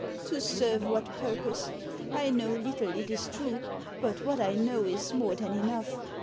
" To serve what purpose ? I know little, it is true, but what I know is more than enough.